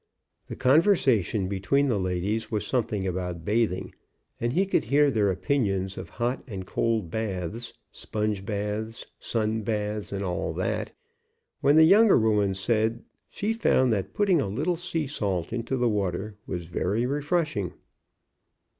The conversation between the ladies was something about bathing, and he could hear their opinions of hot and cold baths, sponge baths, sun baths, and all that, when the younger woman said she found that putting a little sea salt into the water was very re freshing.